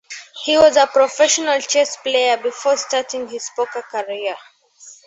He was a professional chess player before starting his poker career.